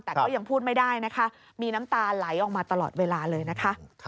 แต่ก็ยังพูดไม่ได้นะคะมีน้ำตาไหลออกมาตลอดเวลาเลยนะคะ